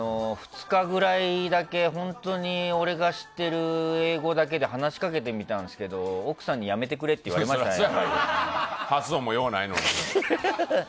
２日ぐらいだけ本当に俺が知っている英語だけで話しかけてみたんですけど奥さんにやめてくれって言われましたね。